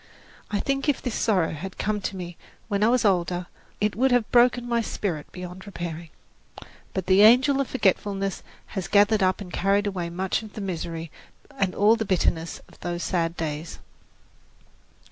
I think if this sorrow had come to me when I was older, it would have broken my spirit beyond repairing. But the angel of forgetfulness has gathered up and carried away much of the misery and all the bitterness of those sad days.